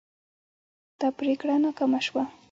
دا پریکړه ناکامه شوه.